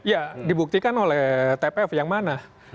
ya dibuktikan oleh tpf yang mana